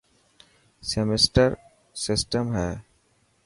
سيمپٽمبر سٽم هي.